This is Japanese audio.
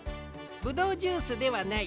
ブドウジュースではない。